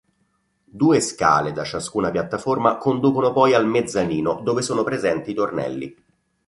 Due scale da ciascuna piattaforma conducono poi al mezzanino dove sono presenti i tornelli.